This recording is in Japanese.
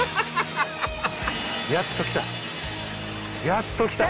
やっと来た。